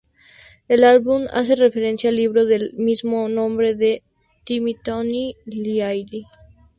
El álbum hace referencia al libro del mismo nombre de Timothy Leary.